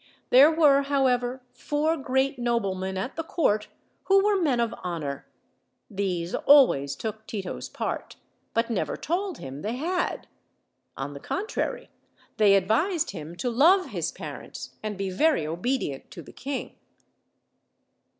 There were, however, four great noblemen at the court who were men of honor; these always took Tito's part, but never told him they had. On the contrary, they ad vised him to love his parents and be very obedient to the king.